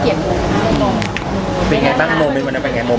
เปลี่ยนไงบ้างมุมเป็นกว่าไง